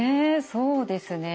そうですねえ。